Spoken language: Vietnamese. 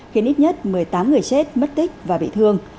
khiến ít nhất một mươi tám người chết mất tích và bị thương